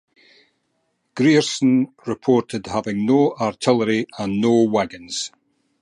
Grierson reported having no artillery and no wagons.